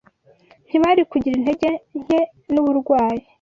ntibari kugira intege nke n’uburwayi